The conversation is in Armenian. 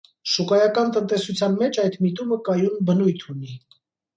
Շուկայական տնտեսության մեջ այդ միտումը կայուն բնույթ ունի։